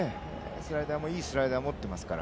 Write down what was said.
スライダーもいいスライダー、持っていますから。